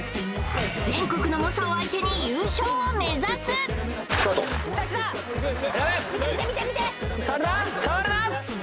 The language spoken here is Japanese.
全国の猛者を相手に優勝を目指す！スタート！